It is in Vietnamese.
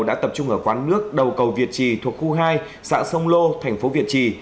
đã tập trung ở quán nước đầu cầu việt trì thuộc khu hai xã sông lô thành phố việt trì